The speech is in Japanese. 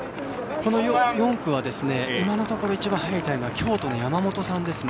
この４区は今のところ一番速いタイムは京都の山本さんですね。